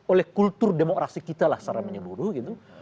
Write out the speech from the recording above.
oleh kultur demokrasi kita lah secara menyeluruh gitu